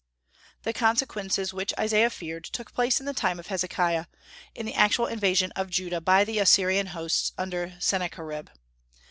The consequences which Isaiah feared, took place in the time of Hezekiah, in the actual invasion of Judah by the Assyrian hosts under Sennacherib.